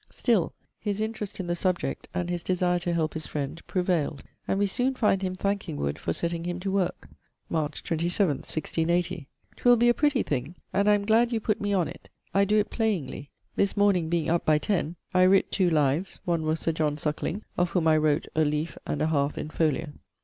Still, his interest in the subject, and his desire to help his friend prevailed; and we soon find him thanking Wood for setting him to work. March 27, 1680: ''Twill be a pretty thing, and I am glad you putt me on it. I doe it playingly. This morning being up by 10, I writt two : one was Sir John Suckling, of whom I wrote a leafe and 1/2 in folio.'